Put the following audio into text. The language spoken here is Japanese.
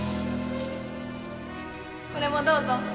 これもどうぞ。